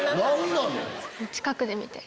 近くで見て。